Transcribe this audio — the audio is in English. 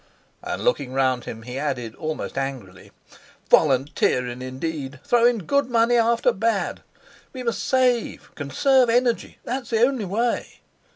And looking round him, he added almost angrily: "Volunteerin', indeed! Throwin' good money after bad! We must save! Conserve energy that's the only way."